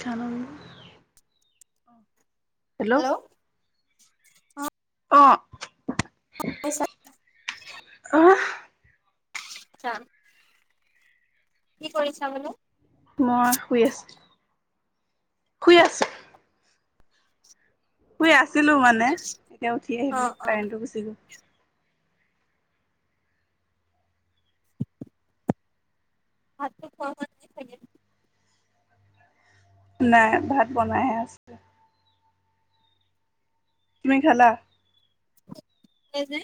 খ ন হেল্ল'। অ আহ, শুনিছা অ,। কি কৰিছা বোলো। মই শুই আছো। শুই আছ। শুই আছিলো মানে এতিয়া উঠি অ আহিলো অ কাৰেণ্টো গুচি গ'ল। ভাতটো খোৱা হ'ল। নাই ভাত বনাইহে আছো তুমি খালা কে যে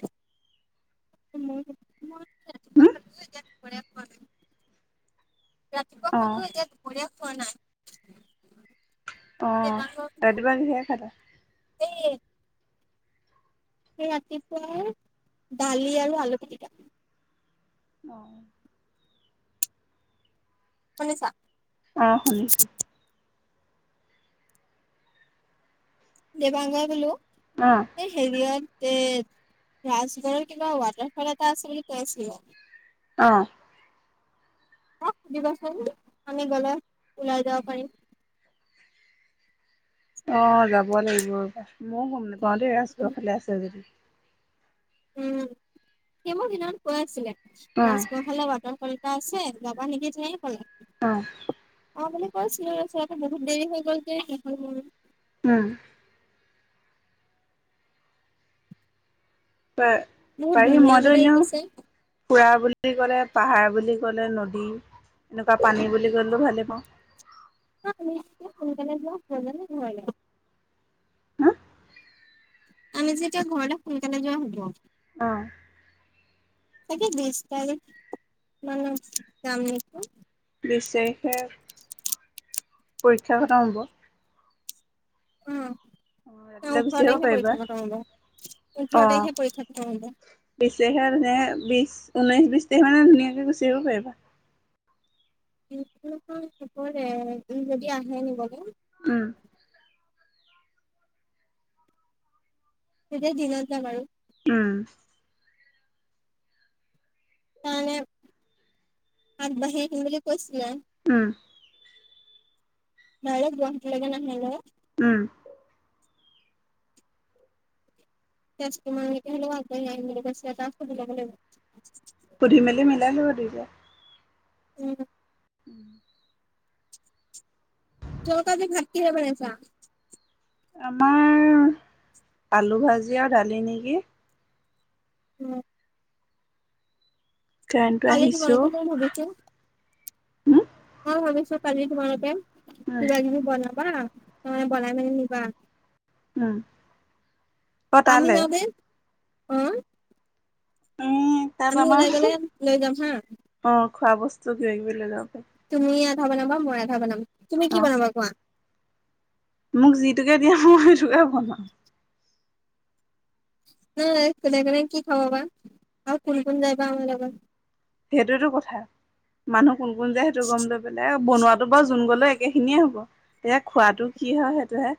মই মই উঠনি ৰাতিপুৱা হম খালোযে এতিয়া দুপৰীয়া খোৱা নাই ৰাতিপুৱা অ', খালো এতিয়া দুপৰীয়া খোৱা নাই। অঁ দেবাংগৰ বোলো ৰাতিপুৱা কিহে খালা? এই সেই ৰাতিপুৱাৰ দালি আৰু আলু পিটিকা। অঁ। শুনিছা? অঁ, শুনিছোঁ। দেবাংগা বোলো। উম। এই হেৰিয়ত এ ৰাজগড়ৰ কিবা ৱাটাৰফল এটা আছে বুলি কৈছিলে। অঁ। অঁ সুধিবাচোন আমি গলে ওলাই যাব পাৰিম। অ‌ঁ যাব লাগিব, ময়ো গম নাপাওঁ দেই ৰাজগড়ৰ ফালে আছে যদি। উম সি মোক সেইদিনাকৈ আছিলে অ', লাষ্ট- সেইফালে ৱাটাৰ ফল এটা আছে যাৱা নেকি তেনেকে ক'লে। অঁ। অঁ বুলি কৈছিলো তাৰপিছত বহুত দেৰি হৈ গ'ল যে শেষ হৈ গ'ল। উম। প বহুত পাৰিম ধুনীয়া মইটো বোলে ই এনেও কৈছে ফুৰা বুলি- বুলি ক'লে পাহাৰ বুলি ক'লে নদী, এনেকুৱা পানী বুলি ক'লেও ভালেই পাওঁ। নিশ্চয় সোনকালে যোৱা হয়গে ন ঘৰলে। হা আমি যেতিয়া ঘৰ সোনকালে যোৱা হব। অঁ। তাকে বিশ তাৰিখ মানে যাম নেকি। বিশ তাৰিখে পৰীক্ষা খতম হ'ব। উম, ন ৰাতিলৈ গুচি ওঠৰ আহিব তাৰখে পাৰিবা পৰীক্ষা খতম হব, অ ওঠৰ তাৰখে পৰীক্ষা খতম হব। বিশ তাৰিখে ধুনীয়াকে বিশ, ঊনৈছ- বিশ তাৰিখ মানে ধুনীয়াকৈ গুচি আহিব পাৰিবা। ইটো মাহৰ শেষলে ই যদি আহে নিবলে- উম। তেতিয়া দিনত যাম আৰু। উম। তাৰ মানে আগবাঢ়ি আহিম বুলি কৈছিলে। উম। ডাৰেক্ট গুৱাহাটীলেকে নাহে ন। উম। তেজপুৰৰ লৈকে হলেওঁ আহিম বুলি কৈছে, তাক সুধি লব লাগিব। সুধি-মেলি মিলাই লোৱা দুইতাই। উম। তৰকাৰী-ভাত কিহে বনাইছা? আমাৰ আলু ভাজি আৰু দালি নেকি! অঁ। কাৰেণ্টটো কালি আহিছো [unintelligible] ভাবিছো। উম মই ভাবিচো কালি তোমালোকে উম কিবা-কিবি বনাবা, নহলে বনাই মেলি নিবা। উম। অ আমি তালে যাওঁতে, অঁ। উম, তাত ওলাই আমাৰ গলে লৈ যাম হা অঁ খোৱা বস্তু কিবা-কিবি লৈ যাব পাৰি। তুমি আধা বনাবা মই আধা বনাম তুমি কি অ বনাবা কোৱা? মোক যিটোকে দিয়া মই সেইটোকে বনাম। নাই [unintelligible] খাবা বা আৰু কোন কোন যাই বা আমাৰ লগত? সেইটোয়েতো কথা মানুহ কোন কোন যায় সেইটো গম লৈ বনোৱাতো বাৰু যোন গলেও একে খিনিয়ে হ'ব। এতিয়া খোৱাটো কি হয় সেইটোহে।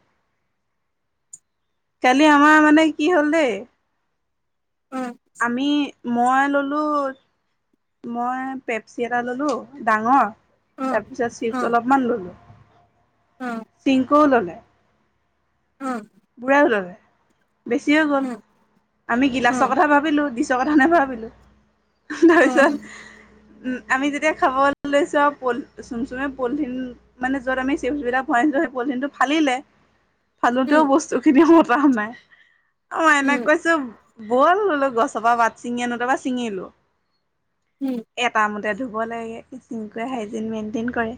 কালি আমাৰ মানে কি হ'ল দেই। অ। আমি মই ল'লোঁ মই পেপচি এটা ল'লোঁ ডাঙৰ। অ তাৰপিছত অ চিপছ অলপমান ললো অ পিংকোয়েও ললে। অ। [unintelligible] বেছি হৈ গ'ল আমি অ অ গিলাচৰ কথা ভাবিলো দিচৰ ক নাভাবিলোঁ অ তাৰপিছত উম, আমি যেতিয়া খাব লৈছো আৰু প চোন-চোনে পলিথিন মানে য'ত আমি চুপছ বিলাক ভৰাইছো সেই পলিথিন টো ফালিলে ফালোতেও উম বস্তু খিনি মতা নাই অ, এনে উম কৈছো ব'ল বোলো গছৰ পৰা পাত ছিঙি আনোগে তাৰ পিছত ছিঙিলো। উম। এটামতে ধুব লাগে [unintelligible] হাইজিন মেনটেইন কৰে।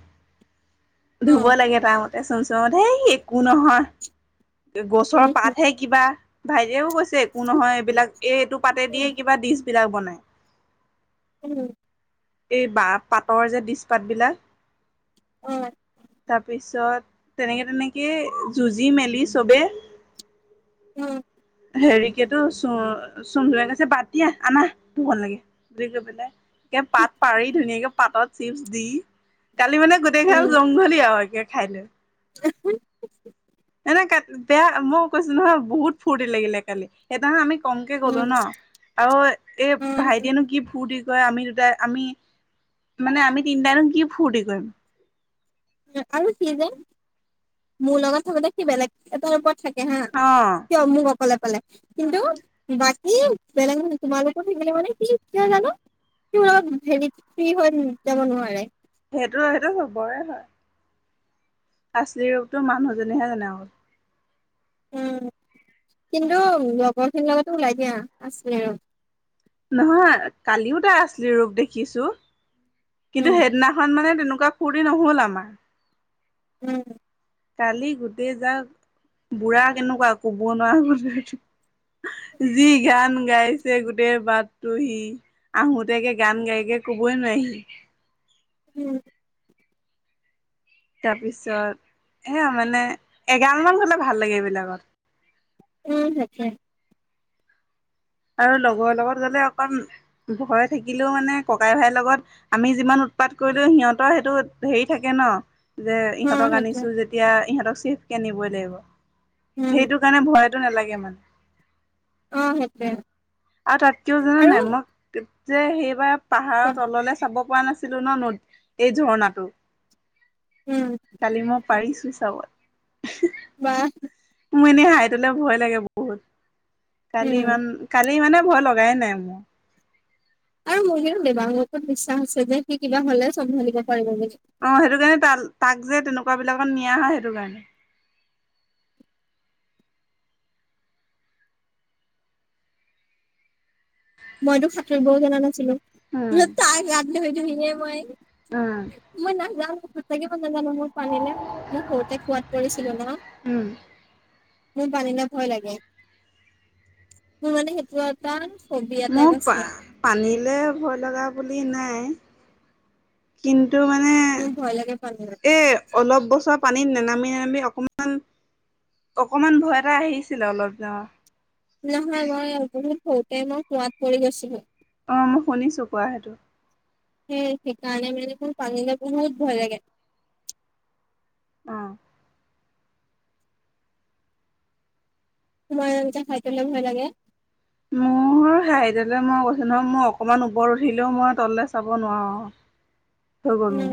অ ধুব লাগে তাৰ মতে চোন-চোন হেই একো নহয় গছৰ উম পাতহে। কিবা ভাইটিয়েও কৈছে একো নহয় এইবিলাক এই এইটো পাতে দিয়ে উম কিবা ডিচ বিলাক বনাই। [inaudible] [unintelligible] এই বা পাতৰ যে দিছপাত বিলাক। অ তাৰপিছত তেনেকে তেনেকে যুঁজি মেলি চবে উম। হেৰিকেতো চু চুম [unintelligible] গৈছে বতিয়া আনা ধুব নালাগে [unintelligible] পেলাই পাত পাৰি ধুনীয়াকে পাতত চিপছ দি কালি মানে উম, [unintelligible] জংঘলী আৰু একে [unintelligible] [unintelligible] [unintelligible] বেয়া মই কৈছো নহয় বহুত ফূৰ্তি লাগিলে কালি। সেইনাখন আমি কমকে গ'লো উম, ন আৰু এই উম, ভাইটিয়েনো কি ফূুৰ্টি ক আমি দুটা আমি মানে আমি তিনটাইনো কি ফূুৰ্তি কৰিম? আৰু সি যে মোৰ লগত থাকোতে সি বেলেগ এটাৰ ওপৰত থাকে অ [unintelligible] [unintelligible] কিন্তু বাকী বেলেগ মানে তোমালোকৰ [unintelligible] জানো। [unintelligible] নোৱাৰে। সেইটো সেইটো [unintelligible] হয়। আাচলি ৰূপতো মানুহজনেহে জানে আৰু উম ' কিন্তু লগৰ খিনিৰ লগতো ওলাই দিয়া আছে আৰু নহয় কালিও তাইৰ আচলি ৰূপ দেখিছো উম, কিন্তু সেইদিনা খন মানে তেনেকুৱা ফূৰ্তি নহল আমাৰ। ওম'। কালি গোটেই যাক বুঢ়া কেনেকুৱা কব নোৱাৰা যি গান গাই- ছে গোটেই বাটটো সি আহোতেকে গান গাইকে কবই নোৱাৰে সি। উম'। তাৰপিছত সেয়া মানে এগালমান হ'লে ভাল লাগে এইবিলাকত। উম' তাকে। আৰু লগৰ লগত গ'লে অকণ ভয় থাকিলেও মানে ককাই- ভাইৰ লগত আমি যিমান উৎপাত কৰিলো সিহঁতৰ সেইটো হেৰি থাকে ন'। যে অ', ইহঁতক সেইটোৱে আনিছো যেতিয়া, ইহঁতক চেফ কে নিবই লাগিব, উম, সেইটো- সেইকাৰণে ভয়টো নালাগে মানে। অঁ' সেইটোৱে। আৰু তা'তকেও জান নে আৰু নাই মই যে সেইবাৰ পাহাৰৰ তল'লে চাব পৰা নাছি- লো ন' নদ এই ঝৰ্ণাটো। উম'। কালি মই পাৰিছো চাব। বাঃ। মোৰ এনেই সৈইতোলে ভয় লাগে বহুত। কালি উম, ইমান- কালি মানে ভয় লগাই নাই মোৰ। আৰু মোৰ কিন্তু দেৱাঙ্গৰ ওপৰত বিশ্বাস আছে যে সি কিবা হ'লে চম্ভালিব পাৰিব বুলি। অঁহ', -সেইটো কাৰণে তাক-তাক যে তেনেকুৱা বিলাকত নিয়া হয় সেইটো কাৰণে। মইতো সাঁতুৰিবও জনা নাছিলো উম ত-তাৰ গাত ধৰি- ধৰিহে মই উমঁ। মই নাযাওঁ, মই সচাকে কৈছো মই পানীলে মই সৰুতে কুঁৱাত পৰিছিলো ন'। উম মোৰ পানিলে ভয় লাগে। মোৰ মানে সেইটো এটা ফবিয়া টাইপ মোক আছে পানীলৈ ভয় লগা বুলি নাই। কিন্তু মানে মোৰ ভয় লাগে পানীলে এই- অলপ বছৰ পানীত নেনামি- নেনামি অকণমান- অকণমান ভয় এটা আহিছিলে অলপ অঁ। নহয় মই বহুত সৰুতে মই কোৱাত পৰি গৈছিলো। অঁ', মই শুনিছোঁ কোৱা সেইটো। সেই সেইকাৰণে মানে মোৰ পানীলে বহত ভয় লাগে। অঁ। তোমাৰ এনে খাদ্যলে ভয় লাগে। মোৰ- আৰু হাইটলে মই কৈছো নহয় মই অকণমান ওপৰত উঠিলেও মই তল'লে চাব নোৱাৰো। ভয় কৰো। উম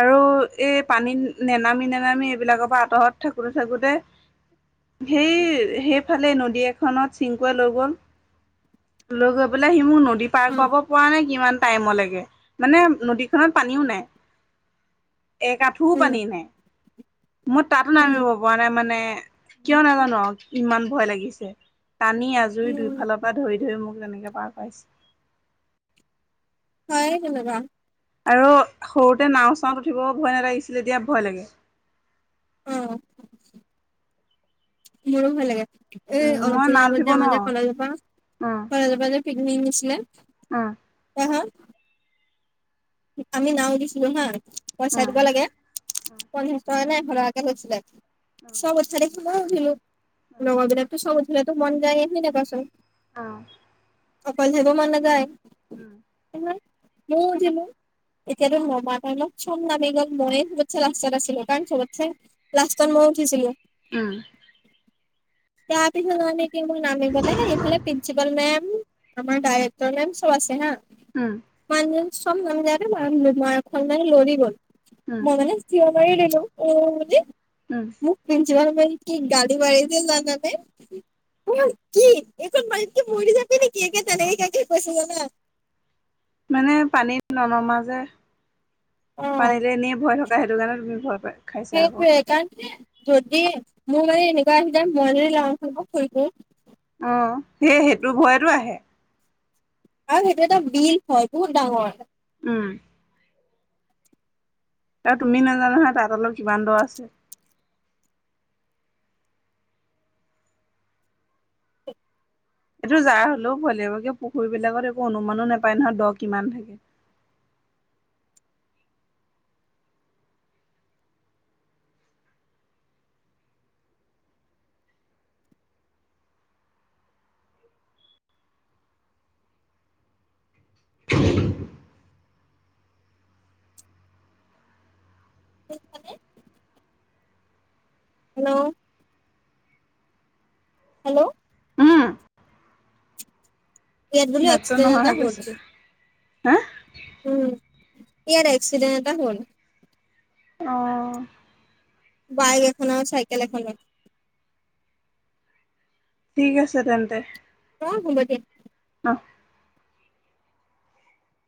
আৰু এই পানীত নেনামি- নেনামি এইবিলাকৰ পৰা আঁতৰত থাকোঁতে-থাকোঁতে- সেই সেইফালে নদী এখনত চিংকুৱে লৈ গ'ল- লৈ গৈ পেলাই সি মোক নদী পাৰ অ কৰাব পৰা নাই কিমান- টাইমৰ লৈকে মানে নদীখনত পানীও নাই। এক আঠুও উম পানী নাই, মই তা'তো উম নামিব পৰা নাই মানে- কিয় নাজানো আৰু ইমান ভয় লাগিছে, টানি-আজুৰি উম দুইফালৰ পৰা ধৰি- ধৰি মোক তেনেকে পাৰ কৰাইছে। হয় তেনেকুৱা। আৰু সৰুতে নাওঁ-চাওঁত উঠিব ভয় নালাগিছিলে এতিয়া ভয় লাগে। উম' মোৰো ভয় লাগে। এই উম অলপ মই দিনৰ নাওত উঠিব আগতে আমাৰ নোৱাৰো কলেজপা কলেজপা যে- পিকনিক নিছিলে। অঁ' তাহত- আমি নাও উঠিছিলো হাঁ, পইচা উম উম দিব লাগে পঞ্চাশ টকা নে এশ টকা- কেতিয়া ধৰিছিলে চব উঠা দেখি মইও উঠিলো লগৰগেইটাক- চব উঠিলেটো মন যায় এইখিনি নেপাইছো- অঁ' অকলে থাকিব মন নেযায়। উম' ইমান মৌ যে মৌ। এতিয়াতো নমাৰ টাইমত চব নামি গ'ল, মইয়ে চবতচাই লাষ্টত আছিলো কাৰণ চবতচাই- লাষ্টত মই উঠিছিলো। উম' তাৰ পিছত মই এতিয়া মোক নামিবলে এইফালে প্ৰিন্সিপাল মেম- আমাৰ ডাইায়ৰেক্ট মেম চব আছে হাঁ। উম' মানে চব নামি যাওতে ময় আহিলো তোমাৰ আগফালে লৰি গল। উম মই মানে- চিঞৰ মাৰি ললো অ বুলি। উম' মোক প্ৰিন্সিপাল মেমে কি গালি পাৰিছে জানা- নে অই কি এইকন পানীত কি মৰি যাবি নেকি একে তেনেকাকে কৈছে জানা। মানে পানীত ননমা যে। অঁ' এইটো এনেই ভয় থকা সেইটো কাৰণে তুমি ভয় কৰা। সেইটোৱে, কাৰণ যদি মোৰ মানে এনেকুৱা আহি যায় মই যদি ল'ৰা মানুহক ফুৰিফুওঁ- অঁ, সেই সেইটো ভয়তো আহে। আৰু সেইটো এটা বিল হয় বহুত ডাঙৰ। উম' আৰু তুমি নাজানা নহয় তাত অলপ কিমান দ আছে? [unintelligible] এইটো যাৰ হলেও ভয় লাগিব কিবা পুখুৰী বিলাকত একো অনুমানো নাপায় নহয় দ কিমান থাকে। শুনিছানে? হেল্লৌ' হেল্লৌ' উম' ইয়াত বোলো মাতটো এক্সিডেণ্ট নহা এটা হৈ হ'ল গৈছিলে, হাঁ। উম' ইয়াত এক্সিডেণ্ট এটা হ'ল। অঁ' বাইক এখন আৰু চাইকেল এখনৰ। ঠিক আছে তেন্তে। অঁ' হ'ব দিয়া। অঁহ'